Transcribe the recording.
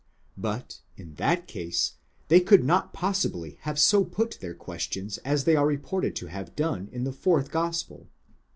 But in that case, they could not pos sibly have so put their questions as they are reported to have done in the fourth gospel.